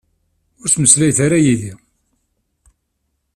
Ur ttmeslayet ara yid-i.